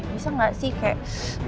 bisa gak sih kayak